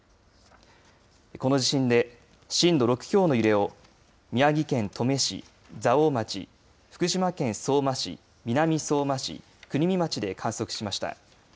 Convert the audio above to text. この地震で震度６強の揺れを宮城県登米市、蔵王町、福島県相馬市、南相馬市、国見町で観測しました。